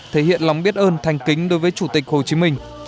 thể hiện lòng biết ơn thành kính đối với chủ tịch hồ chí minh